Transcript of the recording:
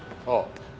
ああ。